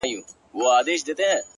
ډبري غورځوې تر شا لاسونه هم نیسې ـ